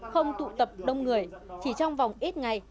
không tụ tập đông người chỉ trong vòng ít ngày